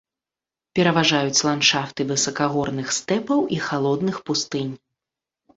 Пераважаюць ландшафты высакагорных стэпаў і халодных пустынь.